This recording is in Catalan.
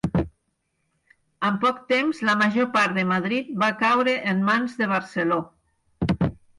En poc temps la major part de Madrid va caure en mans de Barceló.